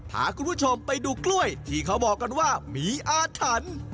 พาคุณผู้ชมไปดูกล้วยที่เขาบอกกันว่ามีอาถรรพ์